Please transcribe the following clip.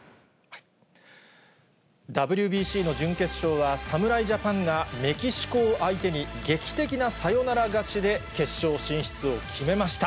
ＷＢＣの準決勝は、侍ジャパンがメキシコを相手に、劇的なサヨナラ勝ちで決勝進出を決めました。